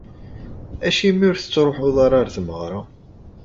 Acimi ur tettruḥuḍ ara ɣer tmeɣra?